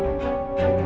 dia sangat peduli